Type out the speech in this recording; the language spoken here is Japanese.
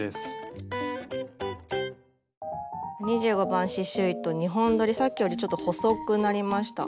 ２５番刺しゅう糸２本どりさっきよりちょっと細くなりました。